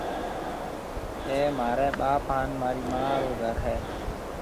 اَي مهارَي ٻاپ هانَ مهارِي مان رو گھر هيَ۔